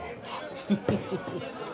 フフフフ